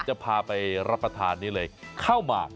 จะพาไปรับประทานนี่เลยข้าวหมาก